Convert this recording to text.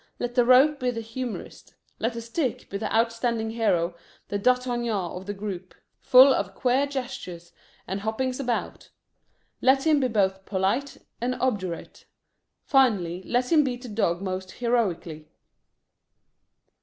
Let the rope be the humorist. Let the stick be the outstanding hero, the D'Artagnan of the group, full of queer gestures and hoppings about. Let him be both polite and obdurate. Finally let him beat the dog most heroically.